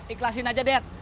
ikhlasin aja dad